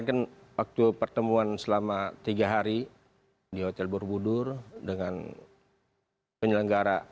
ini kemarin kan waktu pertemuan selama tiga hari di hotel borbudur dengan penyelenggara adalah bnpt